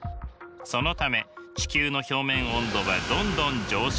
そのため地球の表面温度はどんどん上昇する。